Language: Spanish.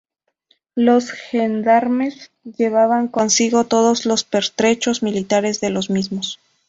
Los gendarmes llevaban consigo todos los pertrechos militares de los mismos.